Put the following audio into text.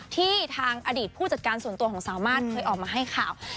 ที่ทางอดีตผู้จัดการส่วนตัวของสามารถเคยออกมาให้ข่าว